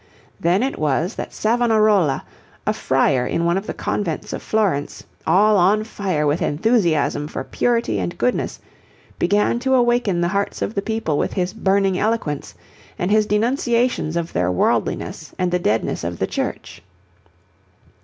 Then it was that Savonarola, a friar in one of the convents of Florence, all on fire with enthusiasm for purity and goodness, began to awaken the hearts of the people with his burning eloquence, and his denunciations of their worldliness and the deadness of the Church.